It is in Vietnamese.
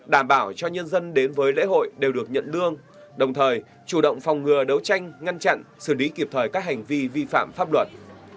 đảm bảo cho nhân dân đến với lễ hội đều được nhận lương đồng thời chủ động phòng ngừa đấu tranh ngăn chặn xử lý kịp thời các hành vi vi phạm pháp luật